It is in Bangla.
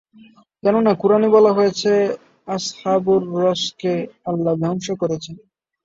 কেননা কুরআনে বলা হয়েছে- আসহাবুর রসসকে আল্লাহ ধ্বংস করেছেন।